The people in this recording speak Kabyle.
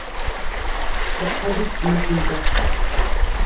Acḥal-itt tmacint-a?